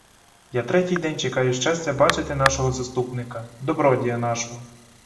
Я третій день чекаю щастя бачити нашого заступника, добродія нашого.